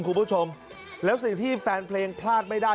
คุณผู้ชมแล้วสิ่งที่แฟนเพลงพลาดไม่ได้